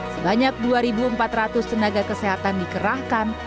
sebanyak dua empat ratus tenaga kesehatan dikerahkan